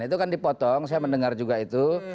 itu kan dipotong saya mendengar juga itu